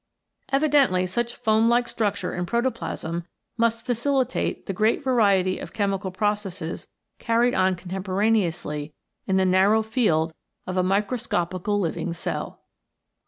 Evidently such foam like structure in protoplasm must facilitate the great variety of chemical processes carried on contemporaneously in the narrow field of a microscopical living cell.